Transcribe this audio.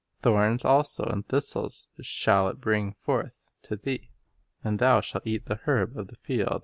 Thorns also and thistles shall it bring forth to thee; and thou shalt eat the herb of the field.